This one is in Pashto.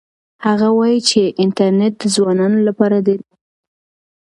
هغه وایي چې انټرنيټ د ځوانانو لپاره ډېر مهم دی.